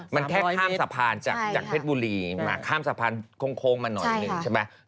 มันแค่ข้ามสะพานจากเพชรบุรีมาข้ามสะพานโค้งมาหน่อยหนึ่งใช่ไหม